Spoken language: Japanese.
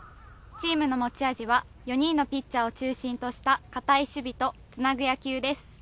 チームの持ち味は４人のピッチャーを中心とした堅い守備とつなぐ野球です。